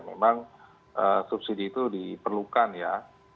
memang subsidi itu diperlukan ya